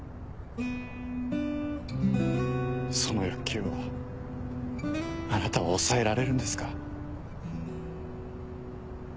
その欲求をあなたは抑えられるんですか？